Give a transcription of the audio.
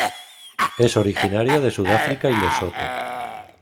Es originaria de Sudáfrica y Lesoto.